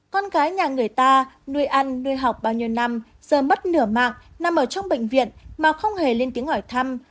con gái nhà người ta nuôi ăn nuôi học bao nhiêu năm giờ mất nửa mạng nằm ở trong bệnh viện mà không hề lên tiếng hỏi thăm